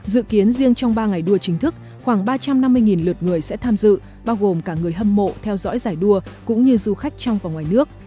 dự kiến riêng trong ba ngày đua chính thức khoảng ba trăm năm mươi lượt người sẽ tham dự bao gồm cả người hâm mộ theo dõi giải đua cũng như du khách trong và ngoài nước